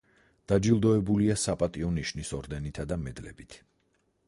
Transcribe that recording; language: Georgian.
დაჯილდოებულია „საპატიო ნიშნის“ ორდენითა და მედლებით.